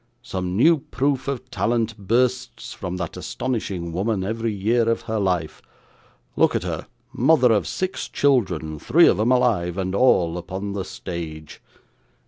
Some new proof of talent bursts from that astonishing woman every year of her life. Look at her mother of six children three of 'em alive, and all upon the stage!